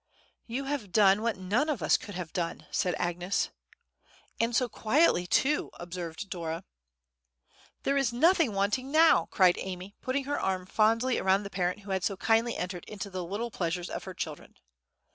"You have done what none of us could have done," said Agnes. "And so quietly too," observed Dora. "There is nothing wanting now!" cried Amy, putting her arm fondly around the parent who had so kindly entered into the little pleasures of her children.